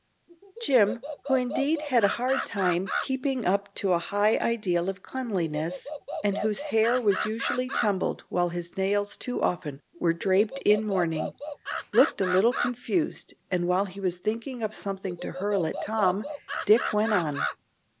Jim, who indeed had a hard time keeping up to a high ideal of cleanliness, and whose hair was usually tumbled while his nails too often were draped in mourning, looked a little confused, and while he was thinking up something to hurl back at Tom, Dick went on.